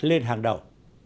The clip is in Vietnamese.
lên hàng đầu